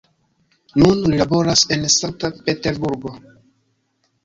Nun li laboras en Sankt-Peterburgo.